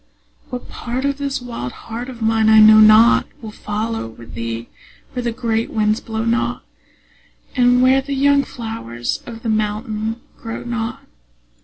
What part of this wild heart of mine I know not Will follow with thee where the great winds blow not, And where the young flowers of the mountain grow not.